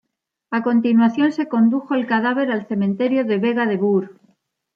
A continuación se condujo el cadáver al cementerio de Vega de Bur.